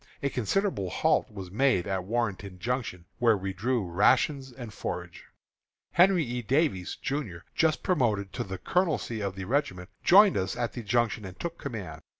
A considerable halt was made at Warrenton Junction, where we drew rations and forage. Henry E. Davies, Jr., just promoted to the colonelcy of the regiment, joined us at the Junction, and took command.